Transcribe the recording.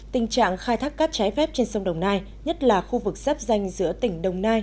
tình trạng khai thác cát trái phép trên sông đồng nai nhất là khu vực giáp danh giữa tỉnh đồng nai